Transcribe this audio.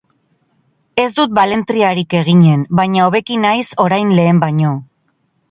Ez dut balentriarik eginen, baina hobeki naiz orain lehen baino.